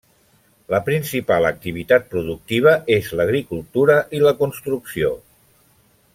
La principal activitat productiva és l'agricultura i la construcció.